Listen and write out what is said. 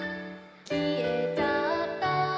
きえちゃった」